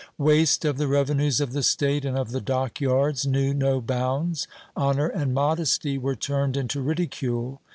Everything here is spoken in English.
Waste of the revenues of the State and of the dock yards knew no bounds. Honor and modesty were turned into ridicule.